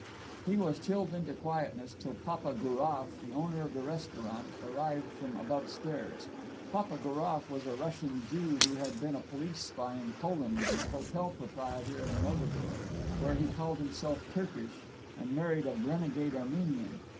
He was chilled into quietness till Papa Gouroff, the owner of the restaurant, arrived from above stairs. Papa Gouroff was a Russian Jew who had been a police spy in Poland and a hotel proprietor in Mogador, where he called himself Turkish and married a renegade Armenian.